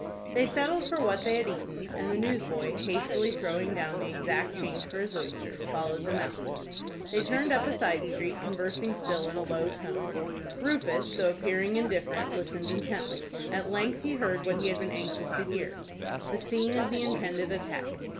They settled for what they had eaten, and the newsboy, hastily throwing down the exact change for his oysters, followed them out. They turned up a side street, conversing still in a low tone. Rufus, though appearing indifferent, listened intently. At length he heard what he had been anxious to hear,—the scene of the intended attack.